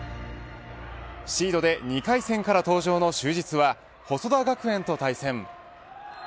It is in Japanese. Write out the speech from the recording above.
シードで２回戦から登場の就実は細田学園と対戦。